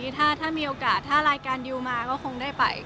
ถ้ามีโอกาสถ้ารายการดิวมาก็คงได้ไป